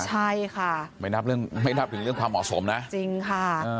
ใช่ค่ะไม่นับเรื่องไม่นับถึงเรื่องความเหมาะสมนะจริงค่ะ